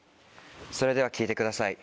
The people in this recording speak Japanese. それでは聴いてください